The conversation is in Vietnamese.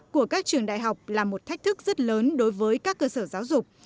của các trường đại học là một thách thức rất lớn đối với các cơ sở giáo dục